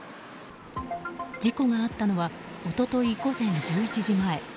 事故があったのは一昨日午前１１時前。